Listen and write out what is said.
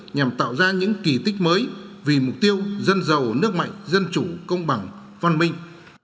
nhằm tạo ra những kỳ tích mới vì mục tiêu dân giàu nước mạnh dân chủ công bằng văn minh